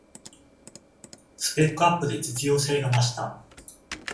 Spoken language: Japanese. スペックアップで実用性が増した